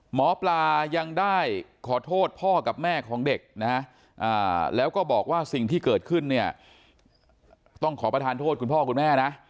หมอปลายังได้ขอโทษพ่อกับแม่ของเด็กนะฮะแล้วก็บอกว่าสิ่งที่เกิดขึ้นเนี่ยต้องขอประทานโทษคุณพ่อคุณแม่นะ